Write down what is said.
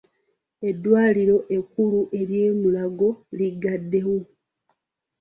Eddwaliro ekkulu ery'e Mulago liggaddewo.